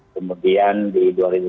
kemudian di dua ribu dua puluh